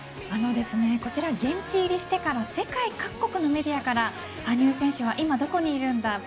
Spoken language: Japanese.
こちら、現地入りしてから世界各国のメディアから羽生選手は今どこにいるんだ